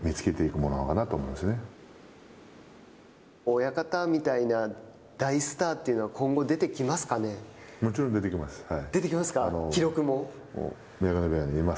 親方みたいな大スターっていうのはもちろん出てきます。